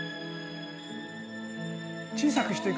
小さくしていく。